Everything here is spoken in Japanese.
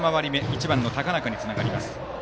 １番の高中につながります。